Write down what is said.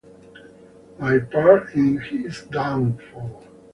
My Part in his Downfall.